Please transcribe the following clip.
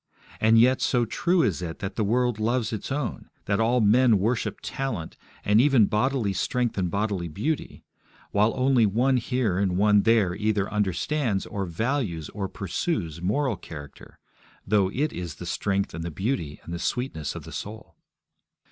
And yet so true is it that the world loves its own, that all men worship talent, and even bodily strength and bodily beauty, while only one here and one there either understands or values or pursues moral character, though it is the strength and the beauty and the sweetness of the soul.